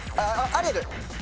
アリエル！